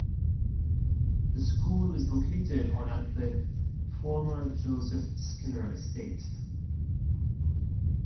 The school is located on at the former Joseph Skinner estate.